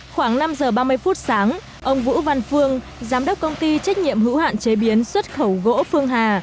khoảng năm giờ ba mươi phút sáng ông vũ văn phương giám đốc công ty trách nhiệm hữu hạn chế biến xuất khẩu gỗ phương hà